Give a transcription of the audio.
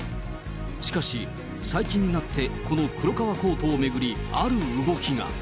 しかし最近になってこの黒革コートを巡り、ある動きが。